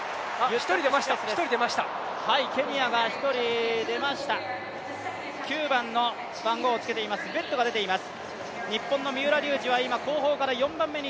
ケニアが１人出ました、９番の番号をつけていますベットが出ています。